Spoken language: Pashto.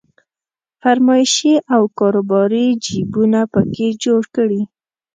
فرمایشي او کاروباري جيبونه په کې جوړ کړي.